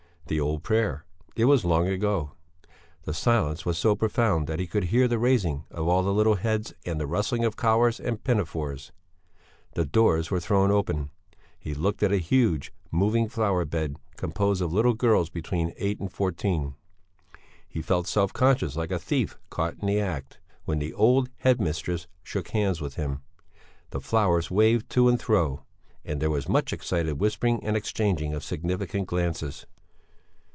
The old prayer it was long ago.... The silence was so profound that he could hear the raising of all the little heads and the rustling of collars and pinafores; the doors were thrown open; he looked at a huge, moving flower bed composed of little girls between eight and fourteen. He felt self conscious like a thief caught in the act, when the old headmistress shook hands with him; the flowers waved to and fro, and there was much excited whispering and exchanging of significant glances.